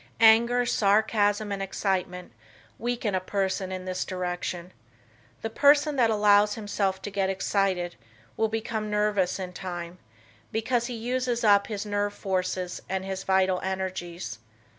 Anger, sarcasm and excitement weaken a person in this direction. The person that allows himself to get excited will become nervous in time, because he uses up his nerve forces and his vital energies.